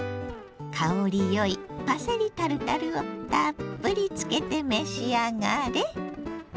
香りよいパセリタルタルをたっぷりつけて召し上がれ。